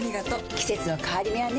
季節の変わり目はねうん。